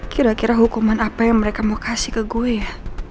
kira kira hukuman apa yang mereka mau kasih ke gue ya